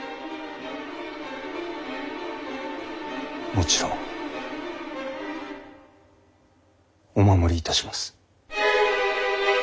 もちろんお守りいたします。